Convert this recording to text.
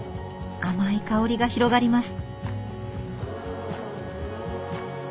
甘い香りが広がります。